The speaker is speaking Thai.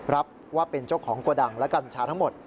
รับว่าเป็นเจ้าของโกดังและกัญชาทั้งหมด